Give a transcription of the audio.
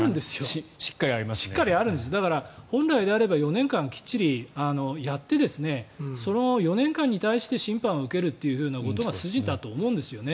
だから、本来であれば４年間きっちりやってその４年間に対して審判を受けるということが筋だと思うんですよね。